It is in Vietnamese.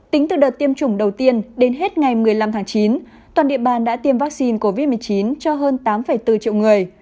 tính từ đợt tiêm chủng đầu tiên đến hết ngày một mươi năm tháng chín toàn địa bàn đã tiêm vaccine covid một mươi chín cho hơn tám bốn triệu người